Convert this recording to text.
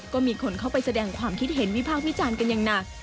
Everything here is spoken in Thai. ก็มีคนเข้าไปแสดงความคิดเห็นวิพากษ์วิจารณ์กันอย่างหนัก